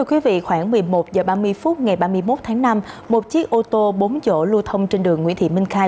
khoảng một mươi một h ba mươi phút ngày ba mươi một tháng năm một chiếc ô tô bốn dỗ lưu thông trên đường nguyễn thị minh khai